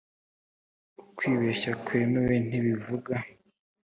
ukwibeshya kwemewe ni bivuga